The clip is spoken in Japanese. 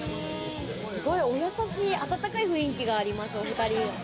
すごいお優しい温かい雰囲気があります、お２人。